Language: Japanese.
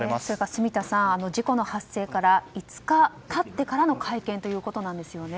住田さん、事故の発生から５日経ってからの会見ということなんですよね。